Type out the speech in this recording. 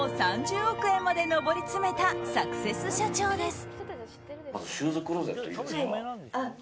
３０億円まで上り詰めたサクセス社長です。